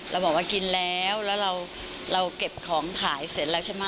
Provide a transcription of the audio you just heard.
เราบอกว่ากินแล้วแล้วเราเก็บของขายเสร็จแล้วใช่ไหม